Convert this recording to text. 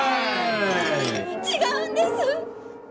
違うんです！